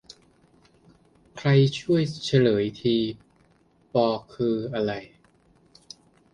ใครช่วยเฉลยที ป คืออะไร